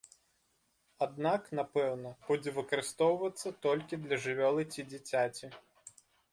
Аднак, напэўна, будзе выкарыстоўвацца толькі для жывёлы ці дзіцяці.